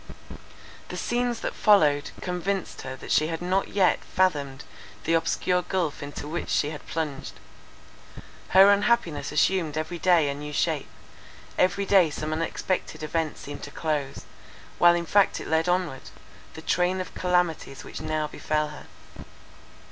The scenes that followed, convinced her that she had not yet fathomed the obscure gulph into which she had plunged. Her unhappiness assumed every day a new shape; every day some unexpected event seemed to close, while in fact it led onward, the train of calamities which now befell her.